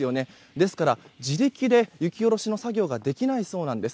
ですから、自力で雪下ろしの作業ができないそうなんです。